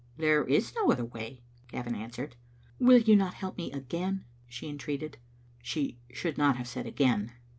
" There is no other way," Gavin answered. "Will you not help me again?" she entreated. She should not have said " again."